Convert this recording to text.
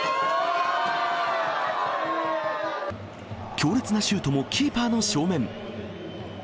強烈なシュートもキーパーの正面。